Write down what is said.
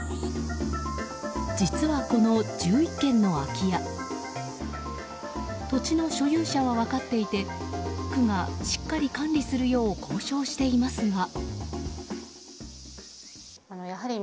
実は、この１１軒の空き家土地の所有者は分かっていて区がしっかり管理するよう交渉していますが。